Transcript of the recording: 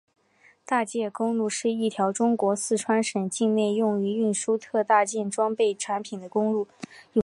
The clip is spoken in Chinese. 大件公路是一条中国四川省境内用于运输特大件装备产品的公路。